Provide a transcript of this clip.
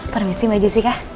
permisi mbak jessica